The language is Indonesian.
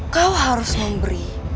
kau harus memberi